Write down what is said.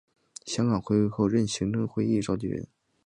香港回归后任行政会议召集人。